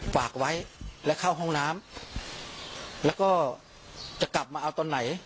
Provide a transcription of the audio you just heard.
ฝากไว้และเข้าห้องน้ำแล้วก็จะกลับมาเอาตอนไหน